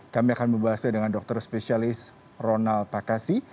kami akan membahasnya dengan dokter spesialis ronald pakasi